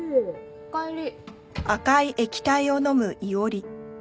おかえり。